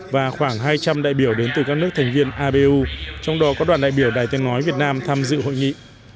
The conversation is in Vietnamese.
và khoảng hai trăm linh đại biểu đến từ các nước thành viên abu trong đó có đoàn đại biểu đài tiếng nói việt nam tham dự hội nghị